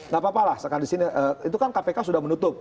gak apa apa lah itu kan kpk sudah menutup